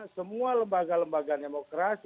semua lembaga lembaga demokrasi